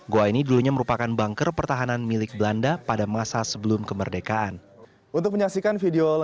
goa ini dulunya merupakan banker pertahanan milik belanda pada masa sebelum kemerdekaan